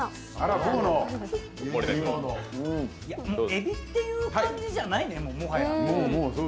海老っている感じじゃないね、もはや。